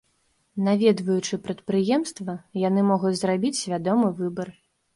Наведваючы прадпрыемства, яны могуць зрабіць свядомы выбар.